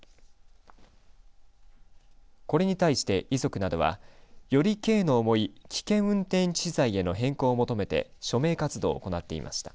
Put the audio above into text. これに対して、遺族などはより刑の重い危険運転致死罪への変更を求めて署名活動を行っていました。